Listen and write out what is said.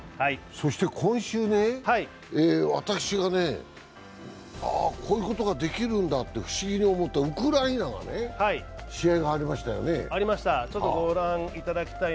今週、私が、こういうことができるんだって不思議に思った、ウクライナが試合がありましたよね。